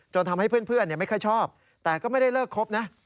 ทำให้เพื่อนไม่ค่อยชอบแต่ก็ไม่ได้เลิกครบนะ